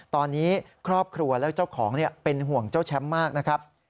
ตอนนี้ครอบครัวและเจ้าของเป็นห่วงเจ้าแชมป์มากนะครับ